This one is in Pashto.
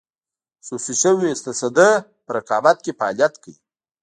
خصوصي شوې تصدۍ په رقابت کې فعالیت کوي.